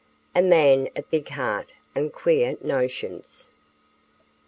A MAN OF BIG HEART AND QUEER NOTIONS.